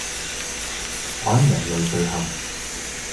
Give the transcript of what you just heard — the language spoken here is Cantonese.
反人類罪行